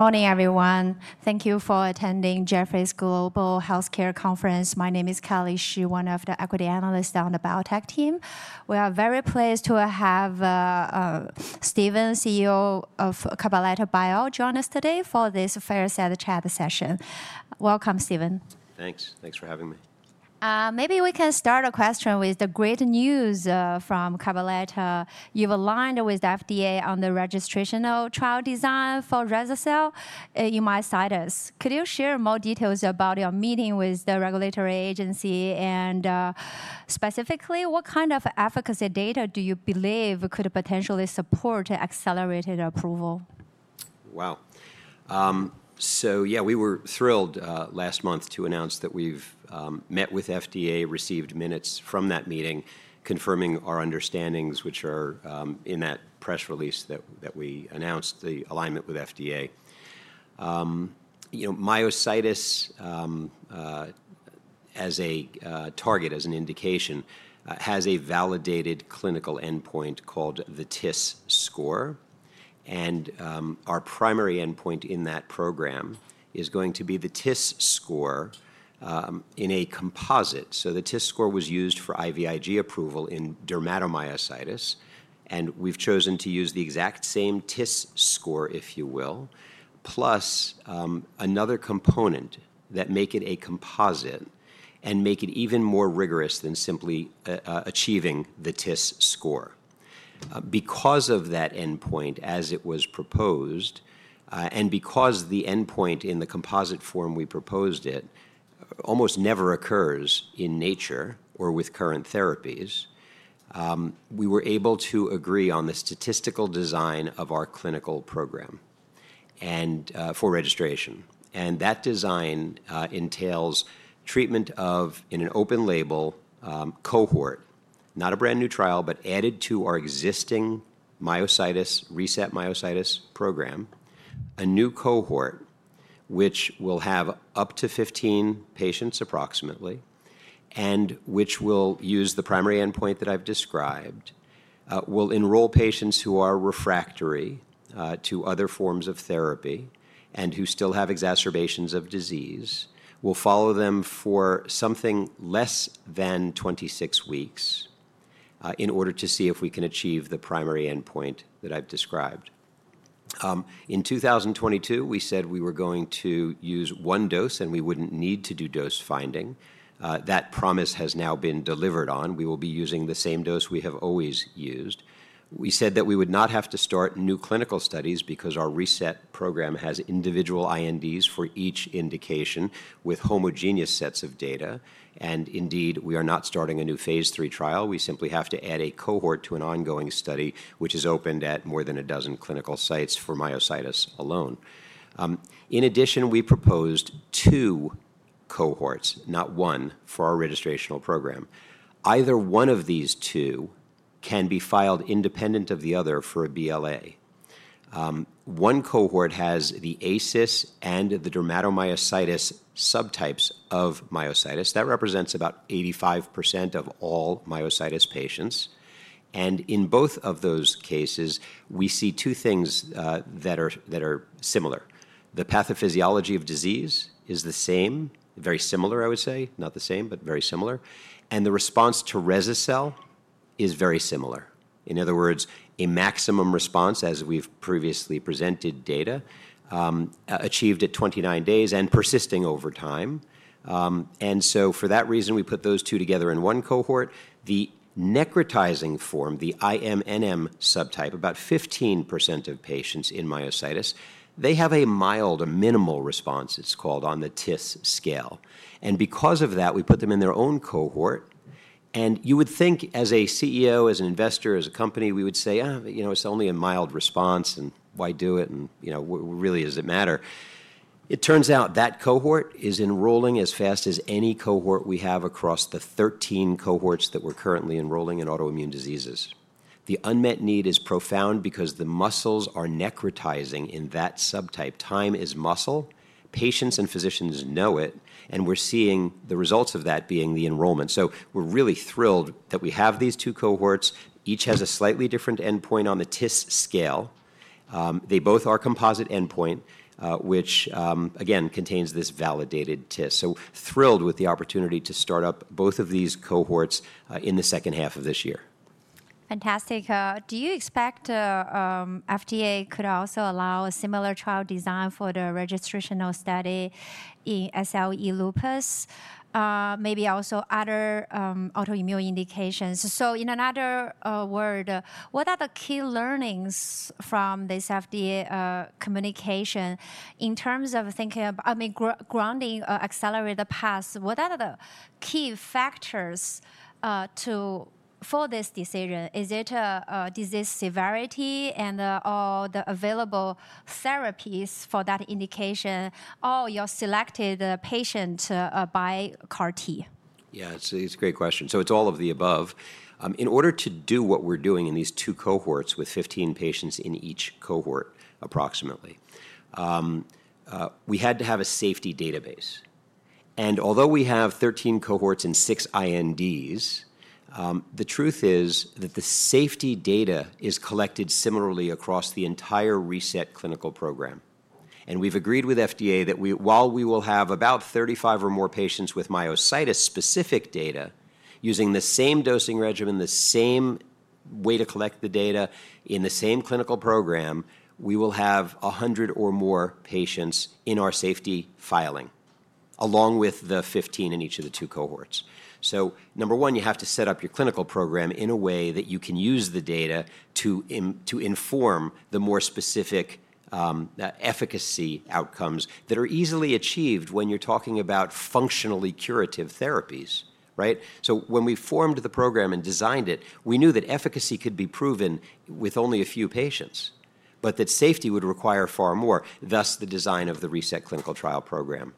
Morning, everyone. Thank you for attending Jefferies Global Healthcare Conference. My name is Kelly Xu, one of the equity analysts on the BioTech team. We are very pleased to have Steven Elleman, CEO of Cabaletta Bio, join us today for this fireside chat session. Welcome, Steven. Thanks. Thanks for having me. Maybe we can start a question with the great news from Cabaletta. You've aligned with the FDA on the registrational trial design for Resocel. You might cite us. Could you share more details about your meeting with the regulatory agency? Specifically, what kind of efficacy data do you believe could potentially support accelerated approval? Wow. Yeah, we were thrilled last month to announce that we've met with the FDA, received minutes from that meeting confirming our understandings, which are in that press release that we announced the alignment with the FDA. Myositis, as a target, as an indication, has a validated clinical endpoint called the TISS score. Our primary endpoint in that program is going to be the TISS score in a composite. The TISS score was used for IVIG approval in dermatomyositis. We've chosen to use the exact same TISS score, if you will, plus another component that makes it a composite and makes it even more rigorous than simply achieving the TISS score. Because of that endpoint, as it was proposed, and because the endpoint in the composite form we proposed almost never occurs in nature or with current therapies, we were able to agree on the statistical design of our clinical program for registration. That design entails treatment of, in an open label, cohort, not a brand new trial, but added to our existing myositis, RESET myositis program, a new cohort, which will have up to 15 patients approximately, and which will use the primary endpoint that I've described, will enroll patients who are refractory to other forms of therapy and who still have exacerbations of disease, will follow them for something less than 26 weeks in order to see if we can achieve the primary endpoint that I've described. In 2022, we said we were going to use one dose, and we wouldn't need to do dose finding. That promise has now been delivered on. We will be using the same dose we have always used. We said that we would not have to start new clinical studies because our RESET program has individual INDs for each indication with homogeneous sets of data. Indeed, we are not starting a new phase three trial. We simply have to add a cohort to an ongoing study, which is opened at more than a dozen clinical sites for myositis alone. In addition, we proposed two cohorts, not one, for our registrational program. Either one of these two can be filed independent of the other for a BLA. One cohort has the ASyS and the dermatomyositis subtypes of myositis. That represents about 85% of all myositis patients. In both of those cases, we see two things that are similar. The pathophysiology of disease is the same, very similar, I would say, not the same, but very similar. The response to Resocel is very similar. In other words, a maximum response, as we've previously presented data, achieved at 29 days and persisting over time. For that reason, we put those two together in one cohort. The necrotizing form, the IMNM subtype, about 15% of patients in myositis, they have a mild, a minimal response, it's called, on the TISS scale. Because of that, we put them in their own cohort. You would think, as a CEO, as an investor, as a company, we would say, it's only a mild response, and why do it? Really, does it matter? It turns out that cohort is enrolling as fast as any cohort we have across the 13 cohorts that we're currently enrolling in autoimmune diseases. The unmet need is profound because the muscles are necrotizing in that subtype. Time is muscle. Patients and physicians know it. We are seeing the results of that being the enrollment. We are really thrilled that we have these two cohorts. Each has a slightly different endpoint on the TISS scale. They both are composite endpoint, which, again, contains this validated TISS. We are thrilled with the opportunity to start up both of these cohorts in the second half of this year. Fantastic. Do you expect FDA could also allow a similar trial design for the registrational study in SLE lupus, maybe also other autoimmune indications? In another word, what are the key learnings from this FDA communication in terms of thinking about, I mean, grounding accelerated paths? What are the key factors for this decision? Is it disease severity and all the available therapies for that indication, or you're selecting the patient by CAR-T? Yeah, it's a great question. It's all of the above. In order to do what we're doing in these two cohorts with 15 patients in each cohort, approximately, we had to have a safety database. Although we have 13 cohorts and six INDs, the truth is that the safety data is collected similarly across the entire RESET clinical program. We've agreed with the FDA that while we will have about 35 or more patients with myositis-specific data using the same dosing regimen, the same way to collect the data in the same clinical program, we will have 100 or more patients in our safety filing, along with the 15 in each of the two cohorts. Number one, you have to set up your clinical program in a way that you can use the data to inform the more specific efficacy outcomes that are easily achieved when you're talking about functionally curative therapies, right? When we formed the program and designed it, we knew that efficacy could be proven with only a few patients, but that safety would require far more, thus the design of the RESET clinical trial program.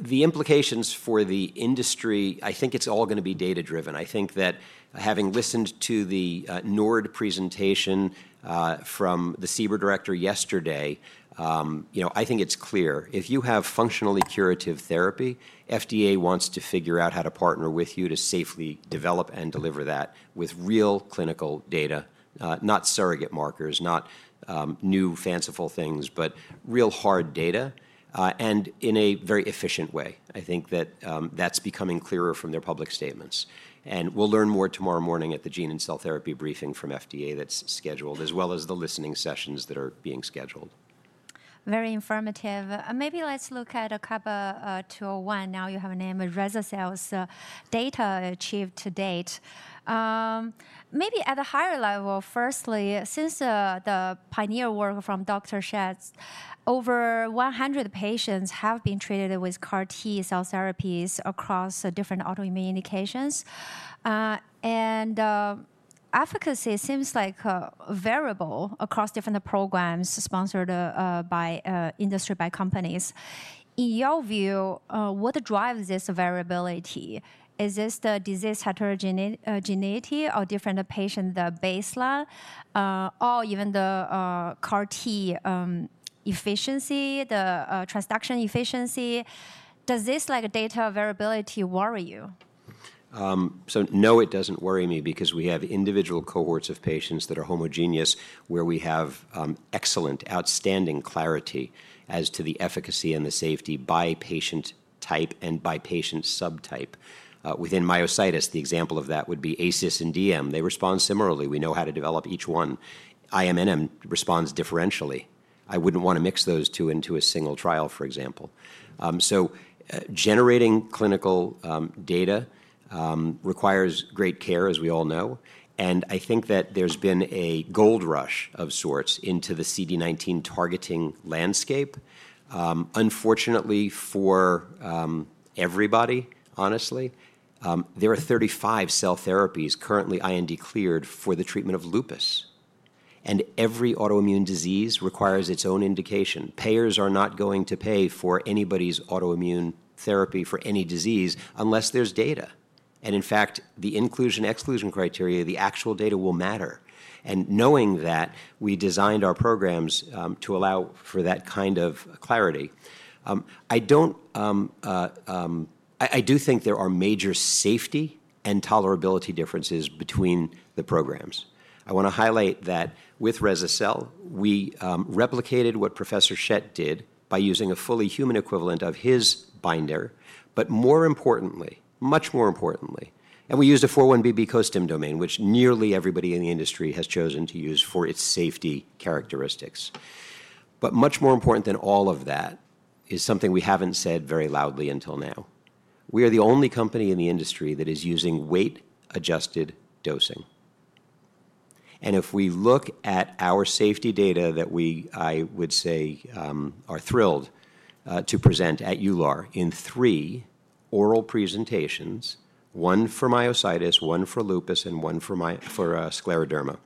The implications for the industry, I think it's all going to be data-driven. I think that having listened to the NORD presentation from the CBER director yesterday, I think it's clear. If you have functionally curative therapy, the FDA wants to figure out how to partner with you to safely develop and deliver that with real clinical data, not surrogate markers, not new fanciful things, but real hard data, and in a very efficient way. I think that's becoming clearer from their public statements. We will learn more tomorrow morning at the gene and cell therapy briefing from the FDA that's scheduled, as well as the listening sessions that are being scheduled. Very informative. Maybe let's look at a couple to one. Now you have named Resocel's data achieved to date. Maybe at a higher level, firstly, since the pioneer work from Dr. Chang, over 100 patients have been treated with CAR-T cell therapies across different autoimmune indications. Efficacy seems like variable across different programs sponsored by industry, by companies. In your view, what drives this variability? Is this the disease heterogeneity or different patient baseline, or even the CAR-T efficiency, the transduction efficiency? Does this data variability worry you? No, it doesn't worry me because we have individual cohorts of patients that are homogeneous where we have excellent, outstanding clarity as to the efficacy and the safety by patient type and by patient subtype. Within myositis, the example of that would be ASyS and DM. They respond similarly. We know how to develop each one. IMNM responds differentially. I wouldn't want to mix those two into a single trial, for example. Generating clinical data requires great care, as we all know. I think that there's been a gold rush of sorts into the CD19 targeting landscape. Unfortunately for everybody, honestly, there are 35 cell therapies currently IND cleared for the treatment of lupus. Every autoimmune disease requires its own indication. Payers are not going to pay for anybody's autoimmune therapy for any disease unless there's data. In fact, the inclusion-exclusion criteria, the actual data will matter. Knowing that, we designed our programs to allow for that kind of clarity. I do think there are major safety and tolerability differences between the programs. I want to highlight that with Resocel, we replicated what Professor Chang did by using a fully human equivalent of his binder, but more importantly, much more importantly, we used a 41BB COSTIM domain, which nearly everybody in the industry has chosen to use for its safety characteristics. Much more important than all of that is something we have not said very loudly until now. We are the only company in the industry that is using weight-adjusted dosing. If we look at our safety data that I would say are thrilled to present at EULAR in three oral presentations, one for myositis, one for lupus, and one for scleroderma,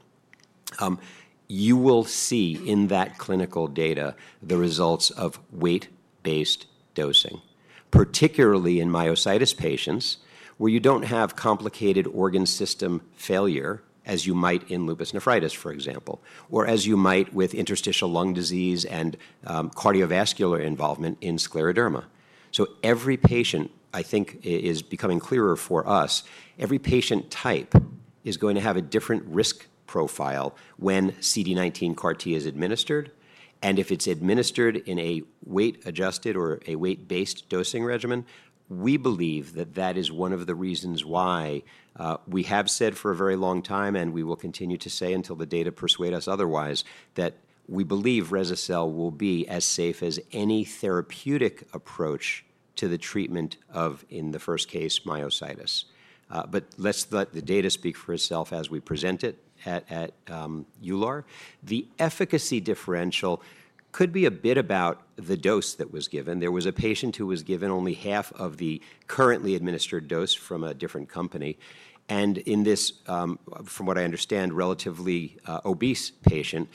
you will see in that clinical data the results of weight-based dosing, particularly in myositis patients where you do not have complicated organ system failure as you might in lupus nephritis, for example, or as you might with interstitial lung disease and cardiovascular involvement in scleroderma. Every patient, I think, is becoming clearer for us, every patient type is going to have a different risk profile when CD19 CAR-T is administered. If it's administered in a weight-adjusted or a weight-based dosing regimen, we believe that that is one of the reasons why we have said for a very long time, and we will continue to say until the data persuade us otherwise, that we believe Resocel will be as safe as any therapeutic approach to the treatment of, in the first case, Myositis. Let's let the data speak for itself as we present it at EULAR. The efficacy differential could be a bit about the dose that was given. There was a patient who was given only half of the currently administered dose from a different company. In this, from what I understand, relatively obese patient,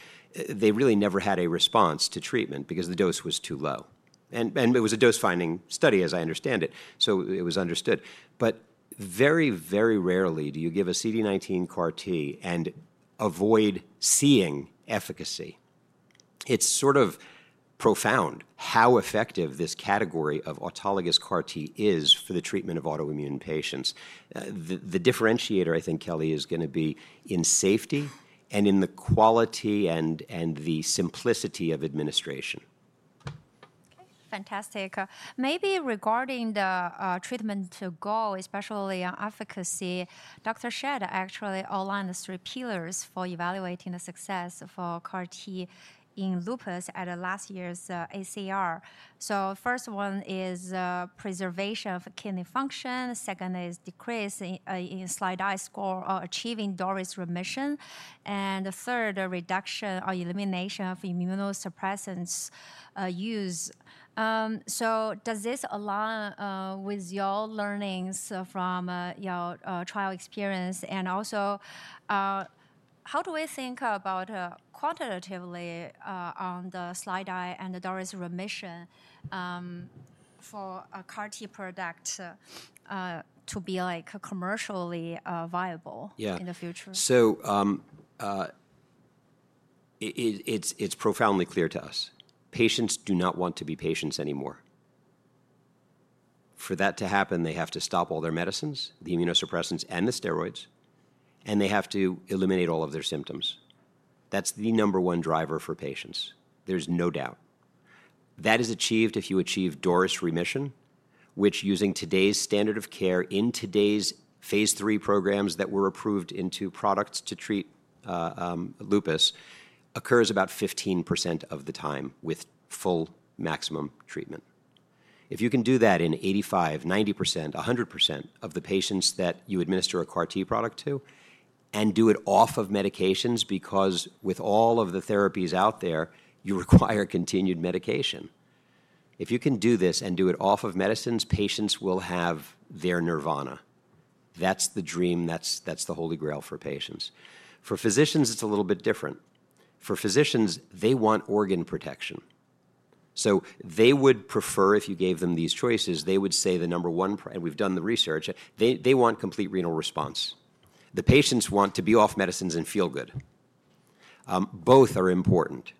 they really never had a response to treatment because the dose was too low. It was a dose-finding study, as I understand it. It was understood. Very, very rarely do you give a CD19 CAR-T and avoid seeing efficacy. It's sort of profound how effective this category of autologous CAR-T is for the treatment of autoimmune patients. The differentiator, I think, Kelly, is going to be in safety and in the quality and the simplicity of administration. Fantastic. Maybe regarding the treatment goal, especially efficacy, Dr. Chang actually outlined three pillars for evaluating the success for CAR-T in lupus at last year's ACR. The first one is preservation of kidney function. The second is decrease in SLEDAI score or achieving DORIS remission. The third, reduction or elimination of immunosuppressants use. Does this align with your learnings from your trial experience? Also, how do we think about quantitatively on the SLEDAI and the DORIS remission for a CAR-T product to be commercially viable in the future? Yeah. It is profoundly clear to us. Patients do not want to be patients anymore. For that to happen, they have to stop all their medicines, the immunosuppressants and the steroids, and they have to eliminate all of their symptoms. That is the number one driver for patients. There is no doubt. That is achieved if you achieve DORIS remission, which, using today's standard of care in today's phase three programs that were approved into products to treat lupus, occurs about 15% of the time with full maximum treatment. If you can do that in 85%, 90%, 100% of the patients that you administer a CAR-T product to and do it off of medications, because with all of the therapies out there, you require continued medication. If you can do this and do it off of medicines, patients will have their nirvana. That is the dream. That is the Holy Grail for patients. For physicians, it's a little bit different. For physicians, they want organ protection. They would prefer, if you gave them these choices, they would say the number one, and we've done the research, they want complete renal response. The patients want to be off medicines and feel good. Both are important.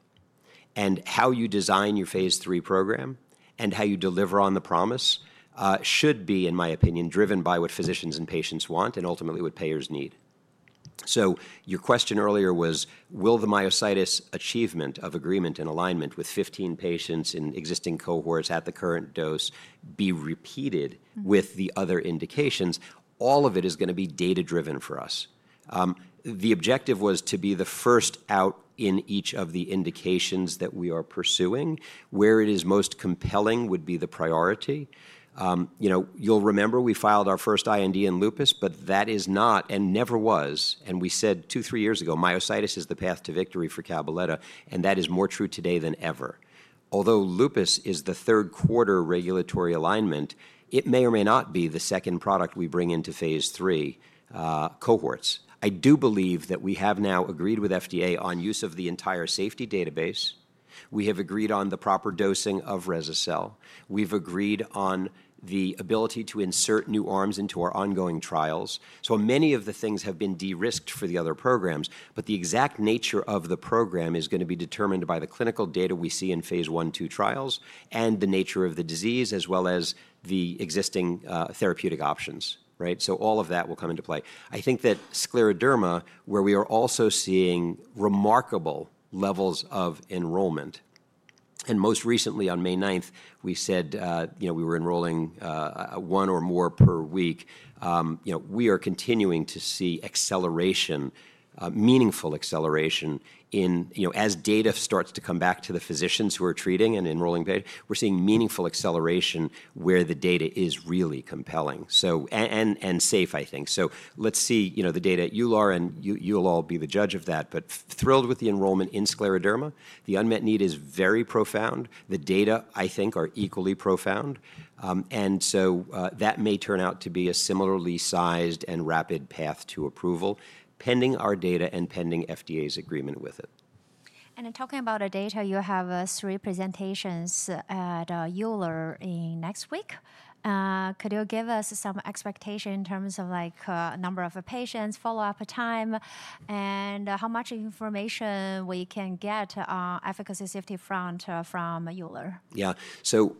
How you design your phase three program and how you deliver on the promise should be, in my opinion, driven by what physicians and patients want and ultimately what payers need. Your question earlier was, will the myositis achievement of agreement and alignment with 15 patients in existing cohorts at the current dose be repeated with the other indications? All of it is going to be data-driven for us. The objective was to be the first out in each of the indications that we are pursuing. Where it is most compelling would be the priority. You'll remember we filed our first IND in lupus, but that is not and never was. We said two, three years ago, myositis is the path to victory for Cabaletta. That is more true today than ever. Although lupus is the third quarter regulatory alignment, it may or may not be the second product we bring into phase three cohorts. I do believe that we have now agreed with the FDA on use of the entire safety database. We have agreed on the proper dosing of Resocel. We've agreed on the ability to insert new arms into our ongoing trials. Many of the things have been de-risked for the other programs, but the exact nature of the program is going to be determined by the clinical data we see in phase I and II trials and the nature of the disease, as well as the existing therapeutic options, right? All of that will come into play. I think that scleroderma, where we are also seeing remarkable levels of enrollment, and most recently on May 9th, we said we were enrolling one or more per week, we are continuing to see acceleration, meaningful acceleration as data starts to come back to the physicians who are treating and enrolling patients. We're seeing meaningful acceleration where the data is really compelling and safe, I think. Let's see the data at EULAR, and you'll all be the judge of that, but thrilled with the enrollment in scleroderma. The unmet need is very profound. The data, I think, are equally profound. That may turn out to be a similarly sized and rapid path to approval, pending our data and pending the FDA's agreement with it. Talking about data, you have three presentations at EULAR next week. Could you give us some expectation in terms of number of patients, follow-up time, and how much information we can get on efficacy safety front from EULAR? Yeah. So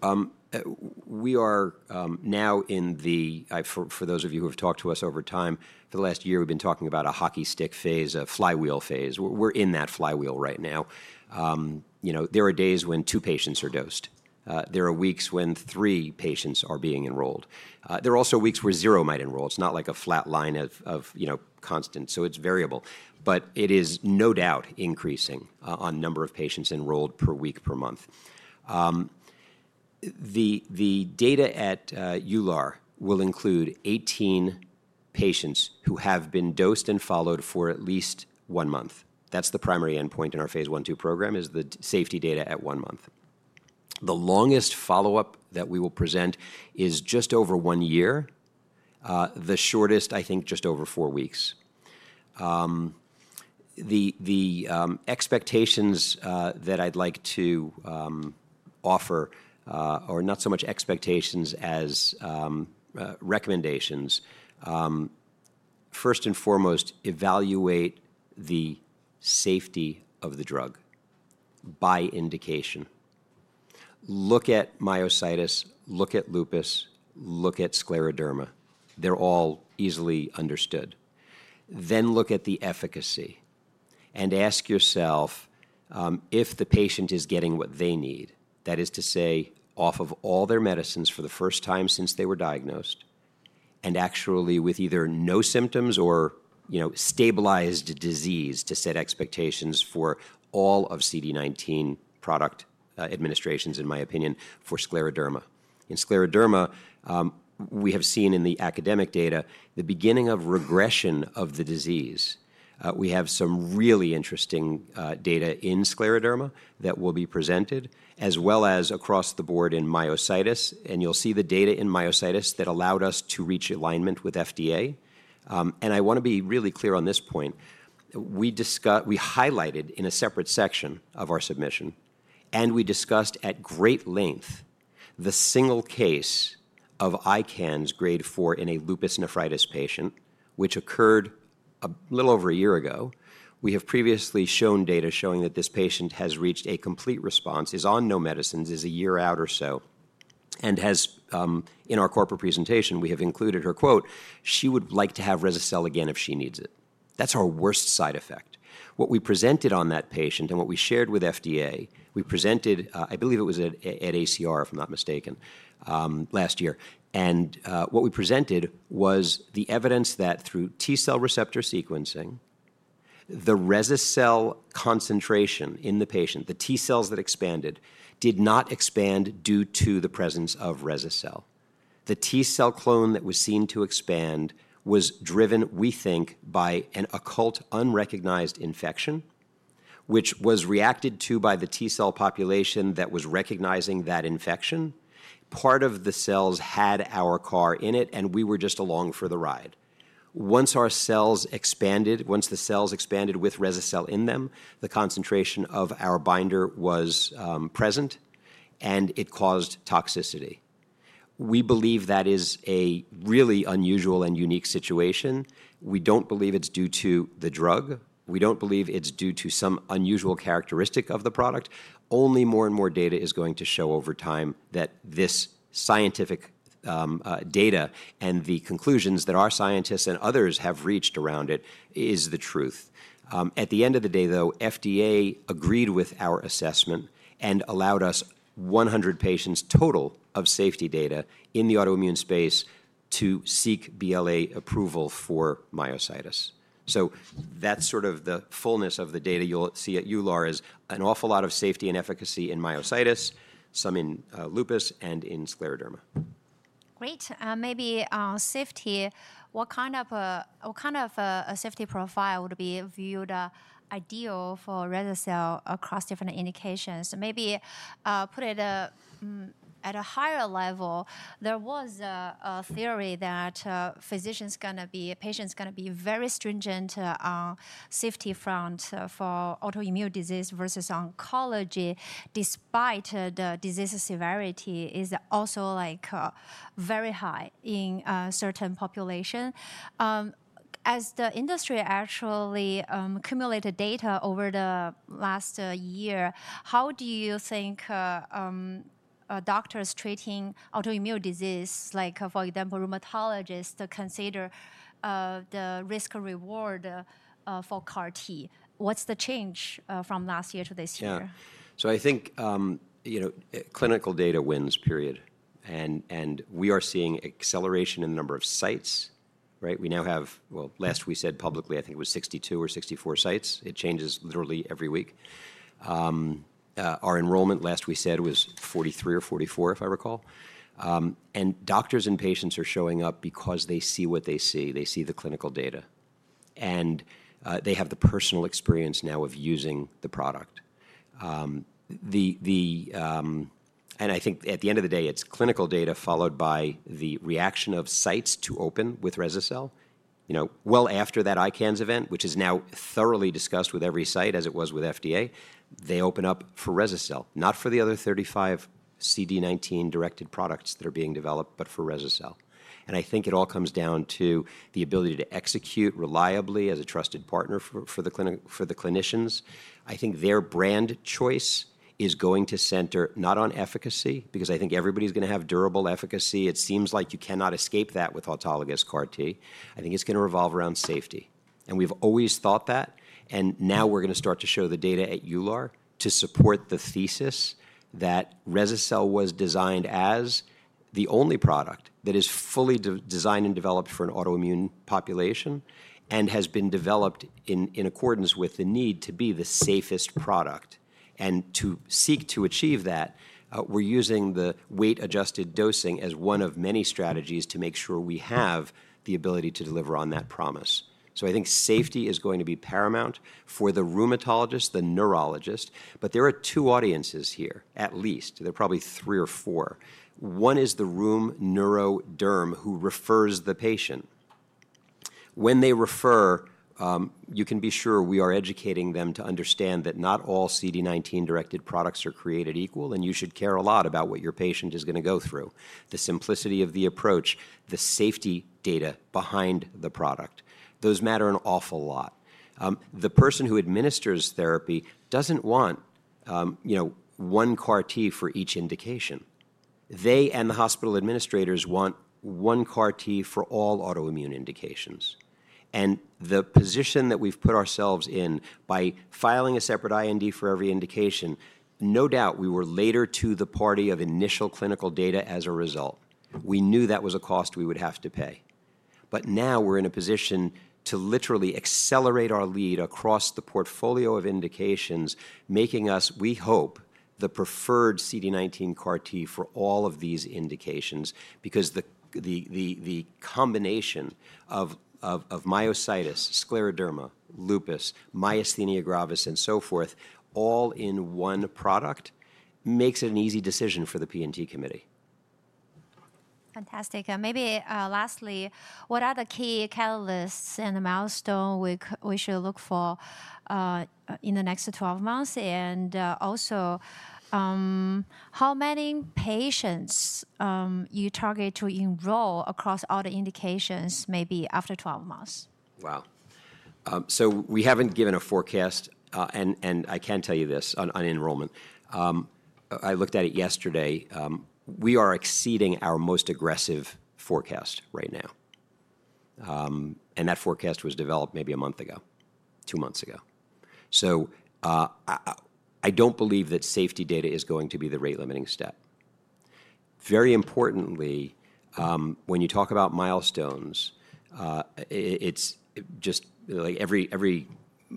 we are now in the, for those of you who have talked to us over time, for the last year, we've been talking about a hockey stick phase, a flywheel phase. We're in that flywheel right now. There are days when two patients are dosed. There are weeks when three patients are being enrolled. There are also weeks where zero might enroll. It's not like a flat line of constant. So it's variable. But it is no doubt increasing on number of patients enrolled per week, per month. The data at EULAR will include 18 patients who have been dosed and followed for at least one month. That's the primary endpoint in our phase one and two program is the safety data at one month. The longest follow-up that we will present is just over one year. The shortest, I think, just over four weeks. The expectations that I'd like to offer, or not so much expectations as recommendations, first and foremost, evaluate the safety of the drug by indication. Look at myositis, look at lupus, look at scleroderma. They're all easily understood. Then look at the efficacy and ask yourself if the patient is getting what they need, that is to say, off of all their medicines for the first time since they were diagnosed, and actually with either no symptoms or stabilized disease to set expectations for all of CD19 product administrations, in my opinion, for scleroderma. In scleroderma, we have seen in the academic data the beginning of regression of the disease. We have some really interesting data in scleroderma that will be presented as well as across the board in myositis. And you'll see the data in myositis that allowed us to reach alignment with the FDA. I want to be really clear on this point. We highlighted in a separate section of our submission, and we discussed at great length the single case of ICANS grade four in a lupus nephritis patient, which occurred a little over a year ago. We have previously shown data showing that this patient has reached a complete response, is on no medicines, is a year out or so, and has, in our corporate presentation, we have included her quote, "She would like to have Resocel again if she needs it." That is our worst side effect. What we presented on that patient and what we shared with the FDA, we presented, I believe it was at ACR, if I am not mistaken, last year. What we presented was the evidence that through T cell receptor sequencing, the Resocel concentration in the patient, the T cells that expanded, did not expand due to the presence of Resocel. The T cell clone that was seen to expand was driven, we think, by an occult unrecognized infection, which was reacted to by the T cell population that was recognizing that infection. Part of the cells had our CAR in it, and we were just along for the ride. Once our cells expanded, once the cells expanded with Resocel in them, the concentration of our binder was present, and it caused toxicity. We believe that is a really unusual and unique situation. We do not believe it is due to the drug. We do not believe it is due to some unusual characteristic of the product. Only more and more data is going to show over time that this scientific data and the conclusions that our scientists and others have reached around it is the truth. At the end of the day, though, the FDA agreed with our assessment and allowed us 100 patients total of safety data in the autoimmune space to seek BLA approval for myositis. That's sort of the fullness of the data you'll see at EULAR is an awful lot of safety and efficacy in myositis, some in lupus, and in scleroderma. Great. Maybe safety, what kind of a safety profile would be viewed ideal for Resocel across different indications? Maybe put it at a higher level, there was a theory that physicians are going to be, patients are going to be very stringent on safety front for autoimmune disease versus oncology, despite the disease severity is also very high in certain populations. As the industry actually accumulated data over the last year, how do you think doctors treating autoimmune disease, like for example, rheumatologists consider the risk-reward for CAR-T? What's the change from last year to this year? Yeah. I think clinical data wins, period. We are seeing acceleration in the number of sites, right? We now have, last we said publicly, I think it was 62 or 64 sites. It changes literally every week. Our enrollment last we said was 43 or 44, if I recall. Doctors and patients are showing up because they see what they see. They see the clinical data. They have the personal experience now of using the product. I think at the end of the day, it is clinical data followed by the reaction of sites to open with Resocel. After that ICANS event, which is now thoroughly discussed with every site as it was with the FDA, they open up for Resocel, not for the other 35 CD19-directed products that are being developed, but for Resocel. I think it all comes down to the ability to execute reliably as a trusted partner for the clinicians. I think their brand choice is going to center not on efficacy, because I think everybody's going to have durable efficacy. It seems like you cannot escape that with autologous CAR-T. I think it's going to revolve around safety. We've always thought that. Now we're going to start to show the data at EULAR to support the thesis that Resocel was designed as the only product that is fully designed and developed for an autoimmune population and has been developed in accordance with the need to be the safest product. To seek to achieve that, we're using the weight-adjusted dosing as one of many strategies to make sure we have the ability to deliver on that promise. I think safety is going to be paramount for the rheumatologist, the neurologist, but there are two audiences here, at least. There are probably three or four. One is the rheum neuroderm who refers the patient. When they refer, you can be sure we are educating them to understand that not all CD19-directed products are created equal, and you should care a lot about what your patient is going to go through. The simplicity of the approach, the safety data behind the product, those matter an awful lot. The person who administers therapy doesn't want one CAR-T for each indication. They and the hospital administrators want one CAR-T for all autoimmune indications. The position that we've put ourselves in by filing a separate IND for every indication, no doubt we were later to the party of initial clinical data as a result. We knew that was a cost we would have to pay. Now we're in a position to literally accelerate our lead across the portfolio of indications, making us, we hope, the preferred CD19 CAR-T for all of these indications, because the combination of myositis, scleroderma, lupus, myasthenia gravis, and so forth, all in one product makes it an easy decision for the P&T committee. Fantastic. Maybe lastly, what are the key catalysts and milestones we should look for in the next 12 months? Also, how many patients you target to enroll across all the indications maybe after 12 months? Wow. We haven't given a forecast, and I can tell you this on enrollment. I looked at it yesterday. We are exceeding our most aggressive forecast right now. That forecast was developed maybe a month ago, two months ago. I don't believe that safety data is going to be the rate-limiting step. Very importantly, when you talk about milestones, it's just like every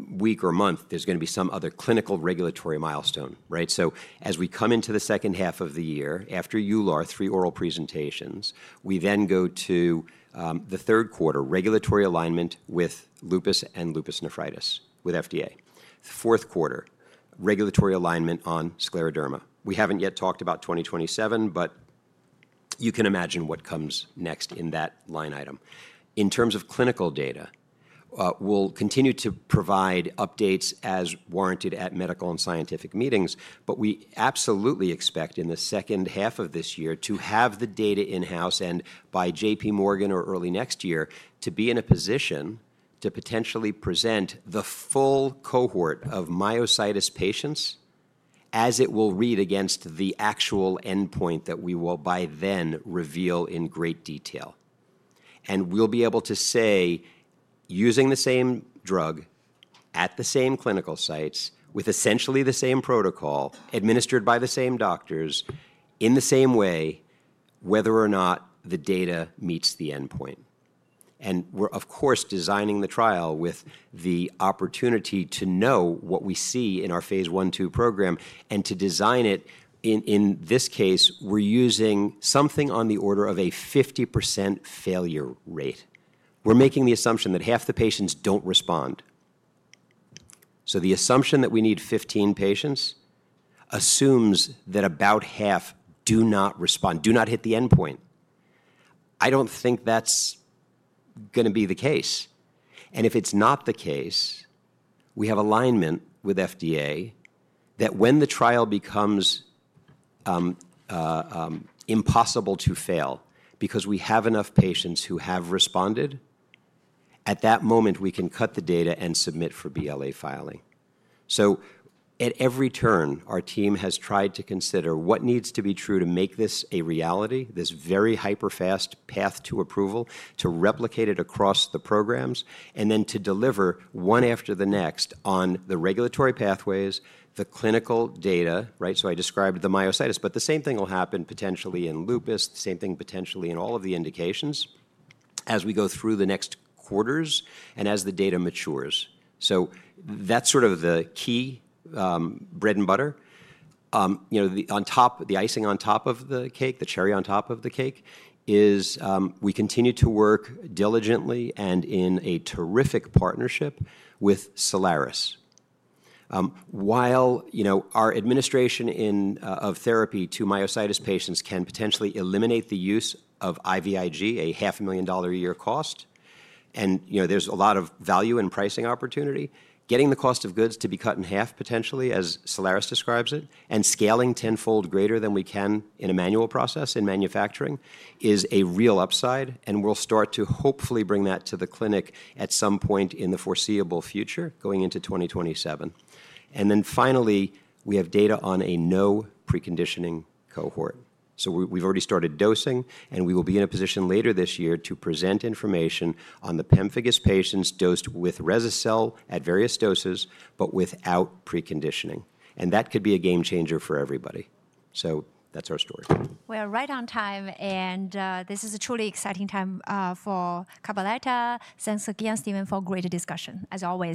week or month, there's going to be some other clinical regulatory milestone, right? As we come into the second half of the year, after EULAR, three oral presentations, we then go to the third quarter, regulatory alignment with lupus and lupus nephritis with the FDA. Fourth quarter, regulatory alignment on scleroderma. We haven't yet talked about 2027, but you can imagine what comes next in that line item. In terms of clinical data, we'll continue to provide updates as warranted at medical and scientific meetings, but we absolutely expect in the second half of this year to have the data in-house and by JPMorgan or early next year to be in a position to potentially present the full cohort of myositis patients as it will read against the actual endpoint that we will by then reveal in great detail. We will be able to say, using the same drug at the same clinical sites with essentially the same protocol, administered by the same doctors in the same way, whether or not the data meets the endpoint. We are, of course, designing the trial with the opportunity to know what we see in our phase I and II program and to design it. In this case, we're using something on the order of a 50% failure rate. We're making the assumption that half the patients don't respond. The assumption that we need 15 patients assumes that about half do not respond, do not hit the endpoint. I don't think that's going to be the case. If it's not the case, we have alignment with the FDA that when the trial becomes impossible to fail because we have enough patients who have responded, at that moment, we can cut the data and submit for BLA filing. At every turn, our team has tried to consider what needs to be true to make this a reality, this very hyper-fast path to approval, to replicate it across the programs, and then to deliver one after the next on the regulatory pathways, the clinical data, right? I described the myocytes, but the same thing will happen potentially in lupus, the same thing potentially in all of the indications as we go through the next quarters and as the data matures. That is sort of the key bread and butter. On top, the icing on top of the cake, the cherry on top of the cake is we continue to work diligently and in a terrific partnership with Solaris. While our administration of therapy to myositis patients can potentially eliminate the use of IVIG, a $500,000 a year cost, and there is a lot of value and pricing opportunity, getting the cost of goods to be cut in half potentially, as Solaris describes it, and scaling tenfold greater than we can in a manual process in manufacturing is a real upside. We will start to hopefully bring that to the clinic at some point in the foreseeable future going into 2027. Finally, we have data on a no preconditioning cohort. We have already started dosing, and we will be in a position later this year to present information on the pemphigus patients dosed with Resocel at various doses, but without preconditioning. That could be a game changer for everybody. That is our story. We are right on time. This is a truly exciting time for Cabaletta, thanks again, Steven, for great discussion as always.